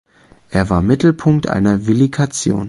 Er war Mittelpunkt einer Villikation.